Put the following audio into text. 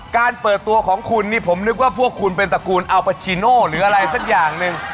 การเปิดตัวของคุณนี่ผมนึกว่าพวกคุณเป็นตระกูลอัลปาชิโน่หรืออะไรสักอย่างหนึ่ง